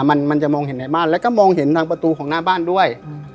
มันมันจะมองเห็นในบ้านแล้วก็มองเห็นทางประตูของหน้าบ้านด้วย